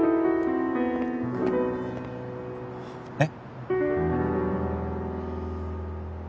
えっ？